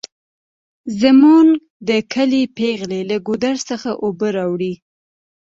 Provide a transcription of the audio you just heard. زمونږ د کلي پیغلې له ګودر څخه اوبه راوړي